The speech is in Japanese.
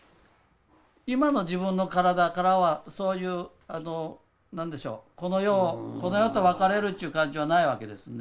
今の自分の体からはそういうこの世と別れるって感じはないわけですね。